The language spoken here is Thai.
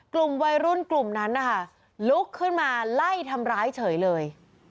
กลุ่มวัยรุ่นกลุ่มนั้นนะคะลุกขึ้นมาไล่ทำร้ายเฉยเลย